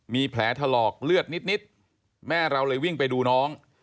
มีแผลถลอกเลือดนิดแม่เราเลยวิ่งไปดูน้อง